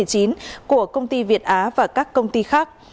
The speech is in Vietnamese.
của công ty việt á và các công ty khác